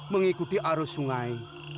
mengikuti arus sungai